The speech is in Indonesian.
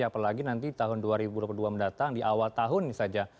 apalagi nanti tahun dua ribu dua puluh dua mendatang di awal tahun ini saja